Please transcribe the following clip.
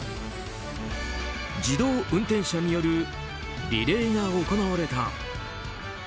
自動運転車によるリレーが行われた。